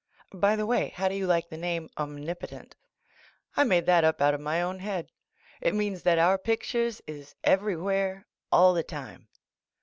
By the way. how do you like the name, "Omnipotent?" I made that up out of my own head. It means thai our pictures is everywhere, all the time.